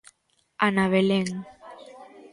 Ana Belén.